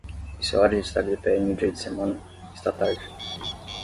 Isso é hora de estar de pé em um dia de semana? Está tarde!